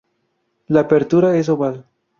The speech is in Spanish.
La apertura es oval.